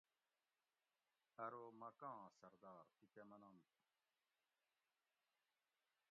ارو مکہ آں سردار تُو کہ مننت